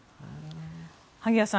萩谷さん